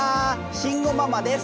慎吾ママです！